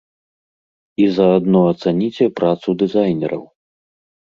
І заадно ацаніце працу дызайнераў!